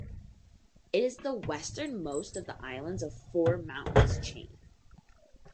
It is the westernmost of the Islands of Four Mountains chain.